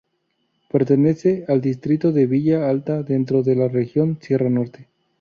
Pertenece al distrito de villa alta, dentro de la región sierra norte.